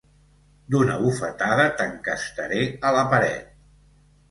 D'una bufetada t'encastaré a la paret!